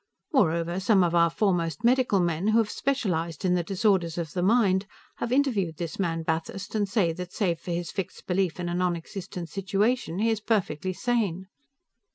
Moreover, some of our foremost medical men, who have specialized in the disorders of the mind, have interviewed this man Bathurst and say that, save for his fixed belief in a nonexistent situation, he is perfectly sane.